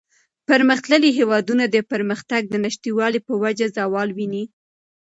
پرمختللي هېوادونه د پرمختگ د نشتوالي په وجه زوال ویني.